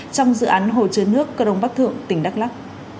trong dự án hồ chứa nước cơ đông bắc thượng tỉnh đắk lắc